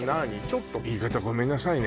ちょっと言い方ごめんなさいね